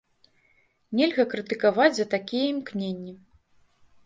Нельга крытыкаваць за такія імкненні!